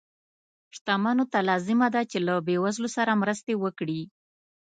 شتمنو ته لازمه ده چې له بې وزلو سره مرستې وکړي.